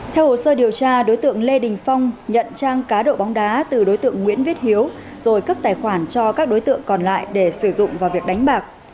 theo hồ sơ điều tra đối tượng lê đình phong nhận trang cá độ bóng đá từ đối tượng nguyễn viết hiếu rồi cấp tài khoản cho các đối tượng còn lại để sử dụng vào việc đánh bạc